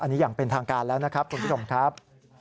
อันนี้อย่างเป็นทางการแล้วนะครับคุณผู้ชมครับ